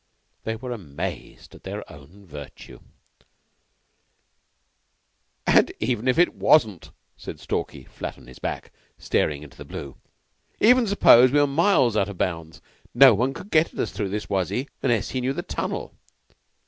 They were amazed at their own virtue. "And even if it wasn't," said Stalky, flat on his back, staring into the blue. "Even suppose we were miles out of bounds, no one could get at us through this wuzzy, unless he knew the tunnel.